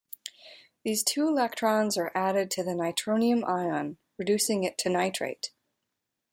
These two electrons are added to the nitronium ion, reducing it to nitrite.